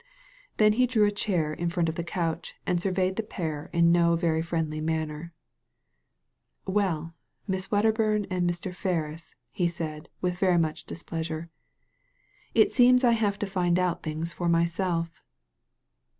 Then he drew a chair in front of the couch, and surveyed the pair in no very friendly manner. "Well, Miss Wedderburn and Mr. Ferris," he said, with much displeasure, it seems I have to find out things for myself."